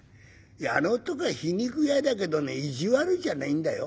いやあの男は皮肉屋だけどね意地悪じゃないんだよ。